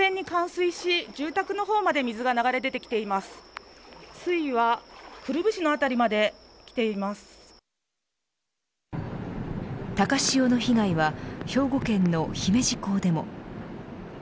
水位はくるぶしのあたりまで高潮の被害は兵庫県の姫路港でも。